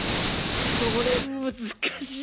それ難しい。